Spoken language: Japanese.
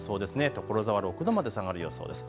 所沢６度まで下がる予想です。